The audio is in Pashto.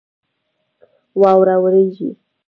واوره ورېږي